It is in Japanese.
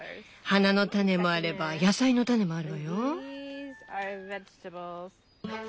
花の種もあれば野菜の種もあるわよ。